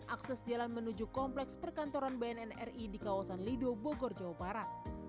dan akses jalan menuju kompleks perkantoran bnn ri di kawasan lido bogor jawa barat